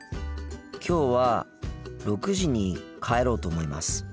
きょうは６時に帰ろうと思います。